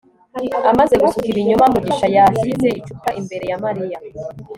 amaze gusuka ibinyobwa, mugisha yashyize icupa imbere ya mariya